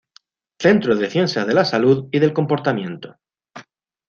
Centro de Ciencias de la Salud y del Comportamiento.